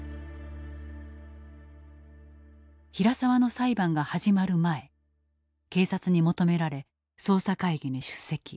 平沢の裁判が始まる前警察に求められ捜査会議に出席。